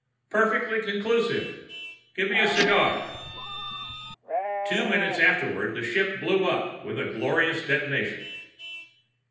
"Perfectly conclusive; give me a cigar!" Two minutes afterwards the ship blew up with a glorious detonation.